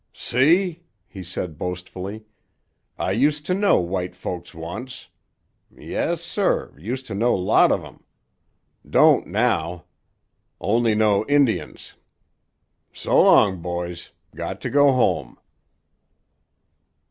"See?" he said boastfully. "I used to know white folks once. Yes sir; used to know lot of 'em. Don't now. Only know Indians. S'long, boys; got to go home."